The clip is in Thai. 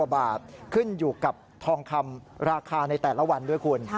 บาทขึ้นอยู่กับทองคำราคาในแต่ละวันด้วยคุณ